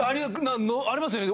ありますよね